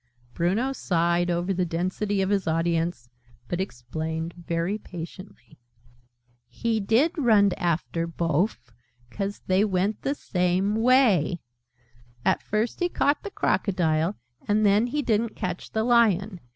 Bruno sighed over the density of his audience, but explained very patiently. "He did runned after bofe: 'cause they went the same way! And first he caught the Crocodile, and then he didn't catch the Lion.